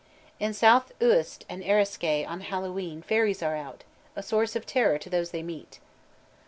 In South Uist and Eriskay on Hallowe'en fairies are out, a source of terror to those they meet.